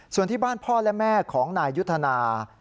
ส่วนที่บ้านพ่อและแม่ของนายยุทธนา